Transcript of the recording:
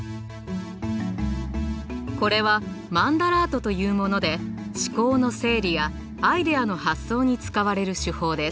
これはマンダラートというもので思考の整理やアイデアの発想に使われる手法です。